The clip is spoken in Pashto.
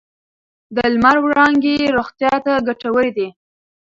د لمر وړانګې روغتیا ته ګټورې دي.